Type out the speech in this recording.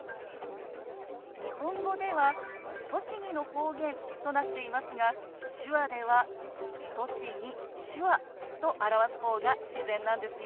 日本語では「栃木の方言」となっていますが手話では「栃木」「手話」と表す方が自然なんですよ。